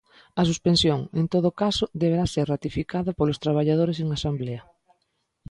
A suspensión, en todo caso, deberá ser ratificada polos traballadores en asemblea.